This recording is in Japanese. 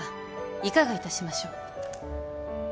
いかがいたしましょう